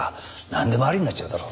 なんでもありになっちゃうだろ。